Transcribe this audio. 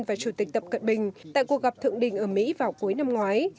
và chủ tịch tập cận bình tại cuộc gặp thượng đỉnh ở mỹ vào cuối năm ngoái